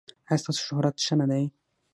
ایا ستاسو شهرت ښه نه دی؟